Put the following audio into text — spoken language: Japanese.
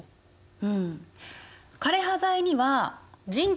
うん。